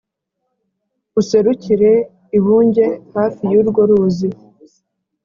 Userukire i Bunge hafi y'urwo ruzi